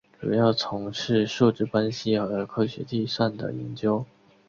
主要从事数值分析和科学计算的研究。